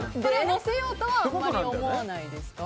載せようとはあまり思わないですか？